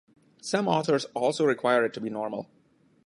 Some authors also require it to be normal.